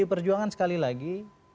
perjuangan sekali lagi